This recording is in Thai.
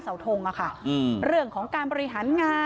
เชิงชู้สาวกับผอโรงเรียนคนนี้